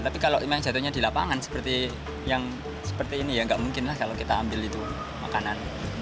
tapi kalau memang jatuhnya di lapangan seperti yang seperti ini ya nggak mungkin lah kalau kita ambil itu makanan